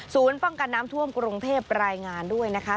ป้องกันน้ำท่วมกรุงเทพรายงานด้วยนะคะ